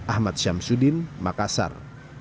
ahmad syamsuddin makassar